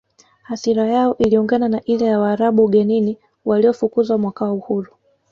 Hasira yao iliungana na ile ya Waarabu ugenini waliofukuzwa mwaka wa uhuru